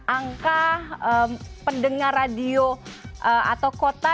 angka pendengar radio atau kota